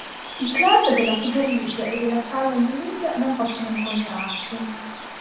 I club della Super League e della Challenge League non possono incontrarsi.